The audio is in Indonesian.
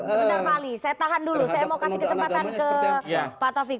sebentar mali saya tahan dulu saya mau kasih kesempatan ke pak taufik